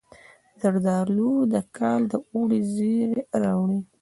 زردالو د کال د اوړي زیری راوړي.